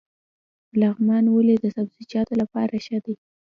لغمان ولې د سبزیجاتو لپاره ښه دی؟